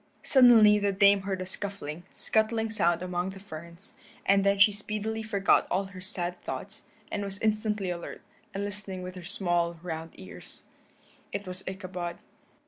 Suddenly the Dame heard a scuffling, scuttling sound among the ferns, and then she speedily forgot all her sad thoughts, and was instantly alert, and listening with her small round ears. It was Ichabod.